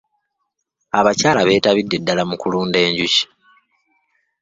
Abakyala b'etabidde ddala mu kulunda enjuki.